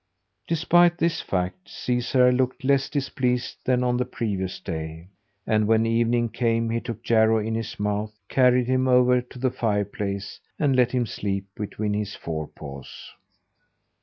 Despite this fact, Caesar looked less displeased than on the previous day; and when evening came he took Jarro in his mouth, carried him over to the fireplace, and let him sleep between his forepaws.